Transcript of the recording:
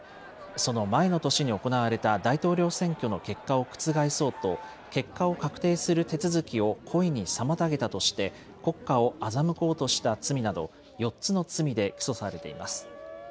その前の年に行われた大統領選挙の結果を覆そうと結果を確定する手続きを故意に妨げたとして国家を欺こうとした罪など４つの罪で起訴されています。